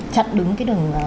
chặt đứng cái đường